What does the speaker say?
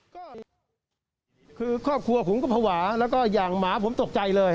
ก็คือครอบครัวผมก็ภาวะแล้วก็อย่างหมาผมตกใจเลย